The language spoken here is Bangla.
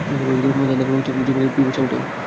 তাদের রক্ত দ্বারা জমিনের পিপাসা মিটাও।